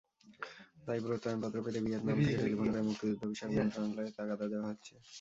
তাই প্রত্যয়নপত্র পেতে ভিয়েতনাম থেকে টেলিফোন করে মুক্তিযুদ্ধবিষয়ক মন্ত্রণালয়ে তাগাদা দেওয়া হচ্ছে।